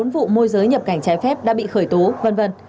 một mươi bốn vụ môi giới nhập cảnh trái phép đã bị khởi tố v v